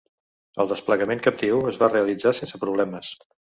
El desplegament captiu es va realitzar sense problemes.